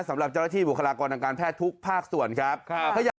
สำหรับเจ้าหน้าที่บุคลากรทางการแพทย์ทุกภาคส่วนครับ